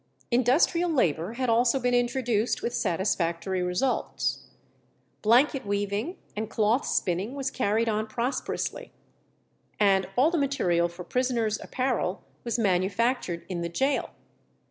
Industrial labour had also been introduced with satisfactory results. Blanket weaving and cloth spinning was carried on prosperously, and all the material for prisoners' apparel was manufactured in the gaol.